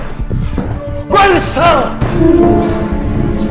aku ingin melacan di ala kesukaan